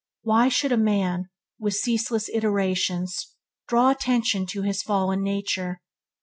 Why should a man, with ceaseless iterations, draw attention to his fallen nature?